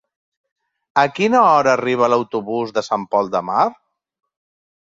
A quina hora arriba l'autobús de Sant Pol de Mar?